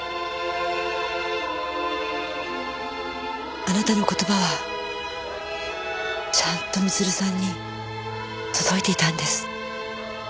あなたの言葉はちゃんと光留さんに届いていたんです。